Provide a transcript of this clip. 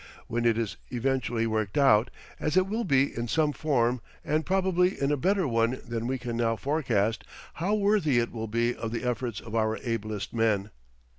When it is eventually worked out, as it will be in some form, and probably in a better one than we can now forecast, how worthy it will be of the efforts of our ablest men!